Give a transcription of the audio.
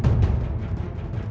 menyerahku seperti apa lagi